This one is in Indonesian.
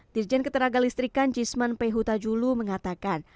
dirjen keteraga listrikan cisman pehuta julu mengatakan